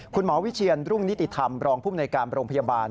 คุณหมอวิเชียนรุ่งนิติธรรมรองภูมิในการโรงพยาบาล